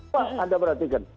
wah anda perhatikan